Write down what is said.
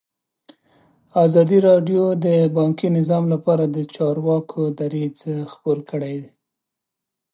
ازادي راډیو د بانکي نظام لپاره د چارواکو دریځ خپور کړی.